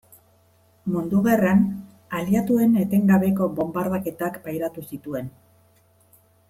Mundu Gerran aliatuen etengabeko bonbardaketak pairatu zituen.